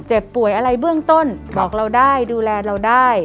เจ็บป่วยอะไรเบื้องต้นบอกเราได้ดูแลเราได้